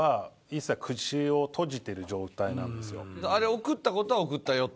あれ送ったことは送ったよと？